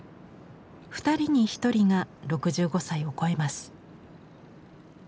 ２人に１人が６５歳を超えます。